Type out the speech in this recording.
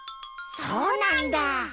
そうなんだ。